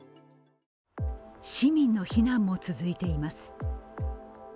市民の避難も続いています。